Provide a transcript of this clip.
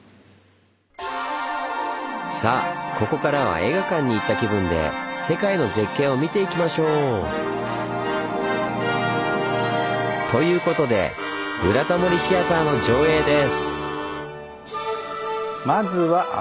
さあここからは映画館に行った気分で世界の絶景を見ていきましょう！ということで「ブラタモリシアター」の上映です！